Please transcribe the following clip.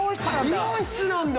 美容室なんだ。